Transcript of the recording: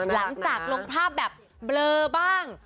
หลังจากลงภาพแบบเบลอบ้าง